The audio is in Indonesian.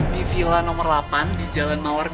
di villa nomor delapan di jalan mawar